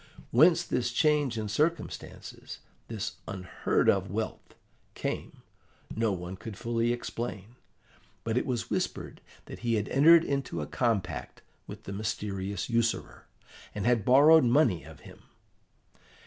Whence this change in circumstances, this unheard of wealth, came, no one could fully explain; but it was whispered that he had entered into a compact with the mysterious usurer, and had borrowed money of him.